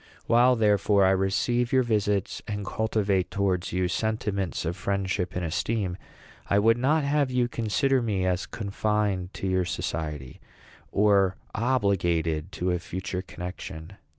While, therefore, I receive your visits, and cultivate towards you sentiments of friendship and esteem, I would not have you consider me as confined to your society, or obligated to a future connection.